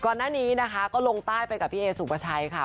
ก่อนหน้านี้นะคะก็ลงใต้ไปกับพี่เอสุปชัยค่ะ